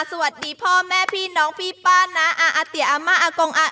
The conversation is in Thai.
สวัสดีพ่อแม่พี่น้องพี่ป้านะอาอาเตียอาม่าอากงอา